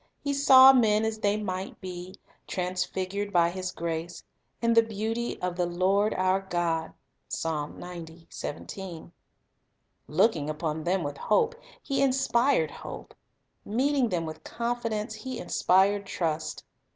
He saw men as they might be, transfigured by His grace, — in "the beaut) of the Lord our God." 2 Looking upon them with hope, He inspired hope. Meeting them with confidence, He inspired trust.